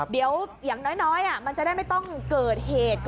เดี๋ยวอย่างน้อยมันจะได้ไม่ต้องเกิดเหตุ